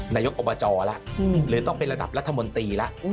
นายกอบจแล้วหรือต้องเป็นระดับรัฐมนตรีแล้ว